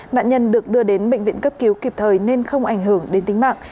nạn nhân được đưa đến bệnh viện cấp cứu kịp thời nên không ảnh hưởng đến tính mạng